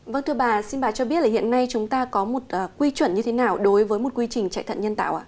vâng thưa bà xin bà cho biết là hiện nay chúng ta có một quy chuẩn như thế nào đối với một quy trình chạy thận nhân tạo ạ